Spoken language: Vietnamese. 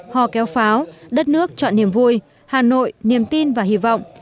hò kéo pháo đất nước chọn niềm vui hà nội niềm tin và hy vọng